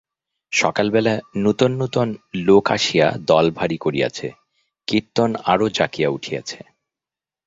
সকালবেলা নূতন নূতন লোক আসিয়া দল ভারী করিয়াছে, কীর্তন আরও জাকিয়া উঠিয়াছে।